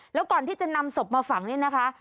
แล้วก่อนที่จะนำศพมาฝังนี่นะคะ